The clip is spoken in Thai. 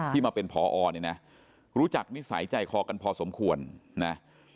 มาเป็นพอเนี่ยนะรู้จักนิสัยใจคอกันพอสมควรนะ